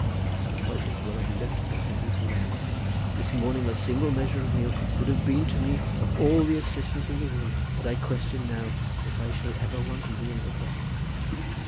'You might as well have left it behind you,' said I; 'this morning a single measure of male would have been to me of all the assistance in the world, but I quistion now if I shall ever want meal again.